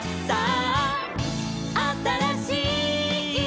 「さああたらしい」